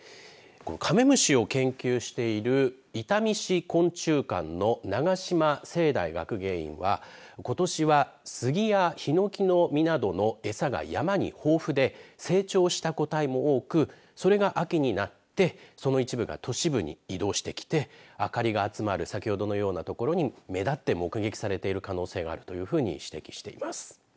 カメムシを研究している伊丹市昆虫館の長島聖大学芸員はことしは杉やひのきの実などの餌が山に豊富で成長した個体も多くそれが秋になってその一部が都市部に移動してきて明かりが集まる先ほどのようなところに目立って目撃されている可能性があるというふうに指摘しています。